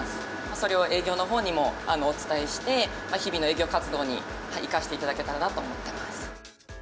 それを営業のほうにもお伝えして、日々の営業活動に生かしていただけたらなと思ってます。